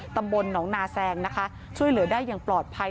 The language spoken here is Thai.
ตำบลหนองนาแซงนะคะช่วยเหลือได้อย่างปลอดภัย